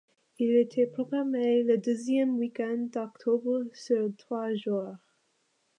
Il était programmé le deuxième week-end d'octobre sur trois jours.